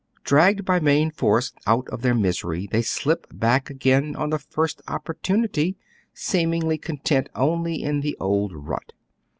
Dragged by main force out of their misery, they slip back again on the first opportunity, seemingly content only in the old rut.